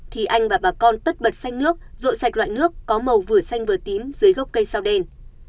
thì anh và bà con tất bật xanh nước rội sạch loại nước có màu vừa xanh vừa tím dưới gốc cây sao đen